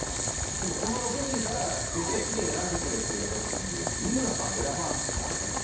でもこの６人からベスト３選んでくれって言われた時に三村さん選ばんってあるかな？